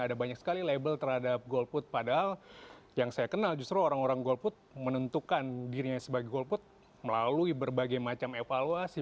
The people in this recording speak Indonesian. ada banyak sekali label terhadap golput padahal yang saya kenal justru orang orang golput menentukan dirinya sebagai golput melalui berbagai macam evaluasi